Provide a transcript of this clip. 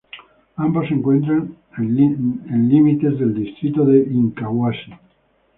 Ambos se encuentran en límites del distrito de Incahuasi.